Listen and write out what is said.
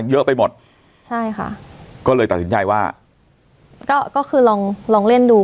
เยอะไปหมดใช่ค่ะก็เลยตัดสินใจว่าก็ก็คือลองลองเล่นดู